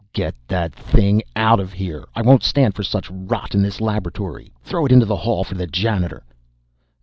"Get that thing out of here! I won't stand for such rot in this laboratory. Throw it into the hall for the janitor!"